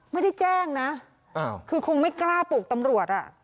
ไม่ได้แจ้งนะคือคงไม่กล้าปลูกตำรวจอ่ะ